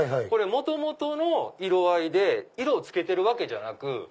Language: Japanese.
これ元々の色合いで色を付けてるわけじゃなく。